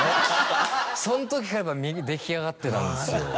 そのときからやっぱ出来上がってたんですよ。